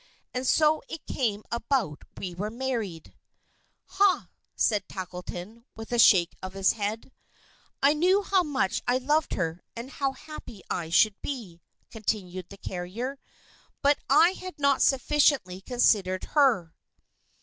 And so it came about we were married." "Hah!" said Tackleton, with a shake of his head. "I knew how much I loved her, and how happy I should be," continued the carrier; "but I had not sufficiently considered her."